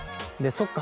そっか。